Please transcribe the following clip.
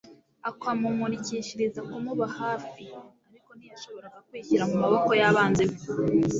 akamumurikishiriza kumuba hafi. Ariko ntiyashoboraga kwishyira mu maboko y'abanzi be